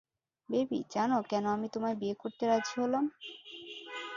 Baby, জানো কেন আমি তোমায় বিয়ে করতে রাজি হলাম?